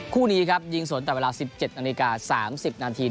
คู่นี้ครับยิงสวนแต่เวลา๑๗นาฬิกา๓๐นาที